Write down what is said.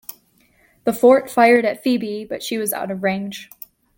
The fort fired at "Phoebe", but she was out of range.